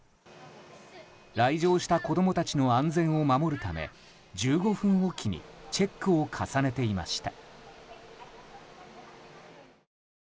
来場した子供たちの安全を守るため１５分おきにチェックを重ねていました。